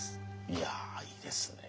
いやいいですね。